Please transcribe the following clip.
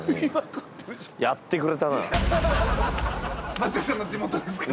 松也さんの地元ですから。